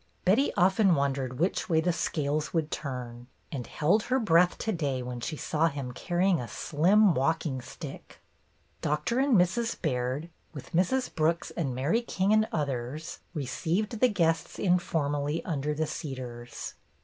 Betty often wondered which way the scales would turn, and held her breath to day when she saw him carrying a slim walking stick. Doctor and Mrs. Baird, with Mrs. Brooks 76 BETTY BAIRD'S GOLDEN YEAR and Mary King and others, received the guests informally under the cedars.